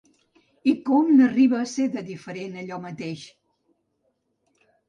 I com n'arriba a ser, de diferent, allò mateix!